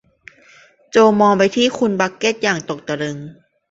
โจมองไปที่คุณบักเก็ตอย่างตกตะลึง